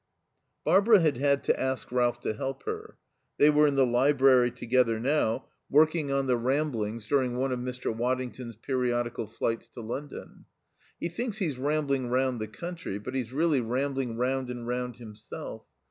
Barbara had had to ask Ralph to help her. They were in the library together now, working on the Ramblings during one of Mr. Waddington's periodical flights to London. "He thinks he's rambling round the country but he's really rambling round and round himself.